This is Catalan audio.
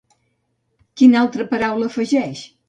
Quina altra paraula afegeix?